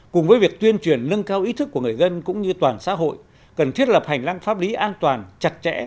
cùng với việc tuyên truyền nâng cao ý thức của người dân cũng như toàn xã hội cần thiết lập hành lang pháp lý an toàn chặt chẽ